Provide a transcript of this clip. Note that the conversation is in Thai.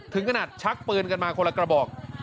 ถึงขนาดชักปืนกันมาคนละกระบอก